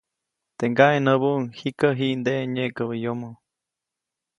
Teʼ ŋgaʼe näbuʼuŋ -jikä jiʼndeʼe nyeʼkäbä yomo-.